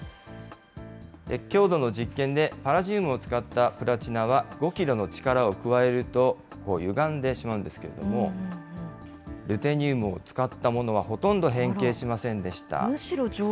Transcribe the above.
強度の実験で、パラジウムを使ったプラチナは、５キロの力を加えると歪んでしまうんですけれども、ルテニウムを使ったものは、ほとんど変形しませんでした。